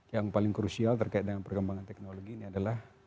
yang paling krusial terkait dengan perkembangan teknologi ini adalah